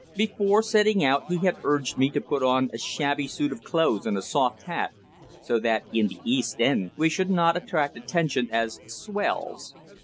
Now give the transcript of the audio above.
Before setting out he had urged me to put on a shabby suit of clothes and a soft hat, so that in the East End we should not attract attention as "swells."